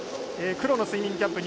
黒のスイミングキャップ